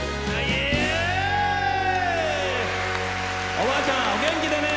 おばあちゃん、お元気でね。